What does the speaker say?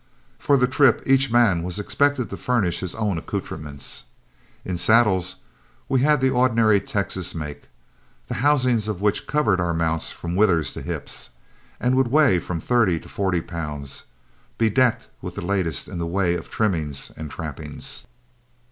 For the trip each man was expected to furnish his own accoutrements. In saddles, we had the ordinary Texas make, the housings of which covered our mounts from withers to hips, and would weigh from thirty to forty pounds, bedecked with the latest in the way of trimmings and trappings.